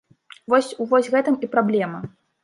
Вось у вось гэтым і праблема!